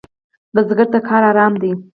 بزګر ته کار آرام دی